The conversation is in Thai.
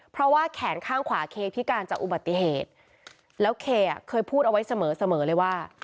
เพราะว่าแขนข้างขวาเคพิการจากอุบัติเหตุแล้วเคอ่ะเคยพูดเอาไว้เสมอเสมอเลยว่า